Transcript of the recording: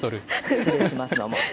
失礼しますけども。